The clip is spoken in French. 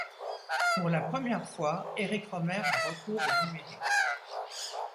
Pour la première fois, Éric Rohmer a recours au numérique.